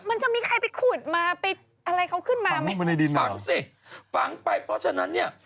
มันจะมีใครไปขุดมาไปอะไรเขาขึ้นมาไหมในดินฝังสิฝังไปเพราะฉะนั้นเนี่ย